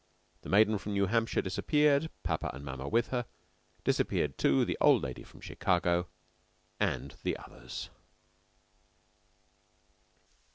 The maiden from New Hampshire disappeared, papa and mamma with her. Disappeared, too, the old lady from Chicago, and the others.